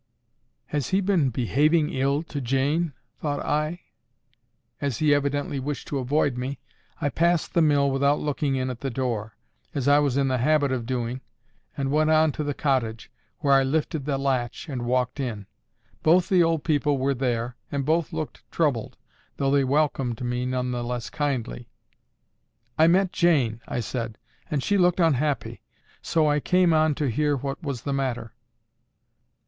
"Has he been behaving ill to Jane?" thought I. As he evidently wished to avoid me, I passed the mill without looking in at the door, as I was in the habit of doing, and went on to the cottage, where I lifted the latch, and walked in. Both the old people were there, and both looked troubled, though they welcomed me none the less kindly. "I met Jane," I said, "and she looked unhappy; so I came on to hear what was the matter."